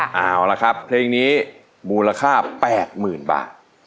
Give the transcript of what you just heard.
เอาละครับเพลงนี้มูลค่า๘๐๐๐บาท